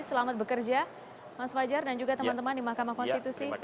selamat bekerja mas fajar dan juga teman teman di mahkamah konstitusi